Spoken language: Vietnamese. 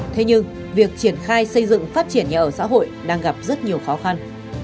thế nhưng việc triển khai xây dựng phát triển nhà ở xã hội đang gặp rất nhiều khó khăn